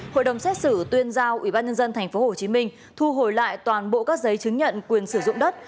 hội đồng xét xử tuyên giao ubnd tp hcm thu hồi lại toàn bộ các giấy chứng nhận quyền sử dụng đất